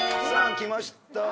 さあ来ました